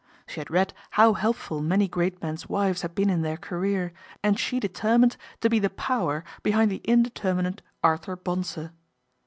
She had read how helpful many great men's wives had been in their career, and she determined to be the power behind the in determinate Arthur Bonsor.